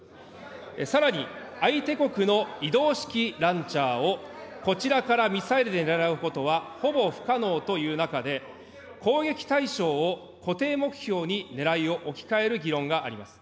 さらに、相手国の移動式ランチャーを、こちらからミサイルで狙うことはほぼ不可能という中で、攻撃対象を固定目標に狙いを置き換える議論があります。